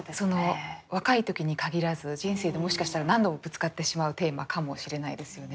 若い時に限らず人生でもしかしたら何度もぶつかってしまうテーマかもしれないですよね。